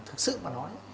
thực sự mà nói